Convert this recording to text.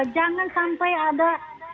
jangan sampai ada